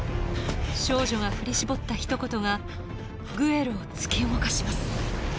少女が振り絞ったひと言がグエルを突き動かします